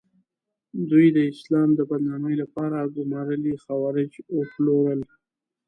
دوی د اسلام د بدنامۍ لپاره ګومارلي خوارج وپلورل.